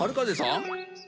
ん？